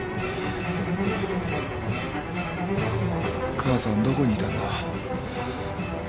母さんどこにいたんだ？